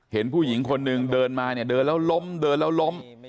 เห็นผู้หญิงคนหนึ่งเดินมาเนี่ยเดินแล้วล้มเดินแล้วล้ม